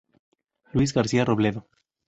Luís García Robledo.